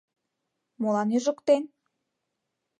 «Молан ӱжыктен?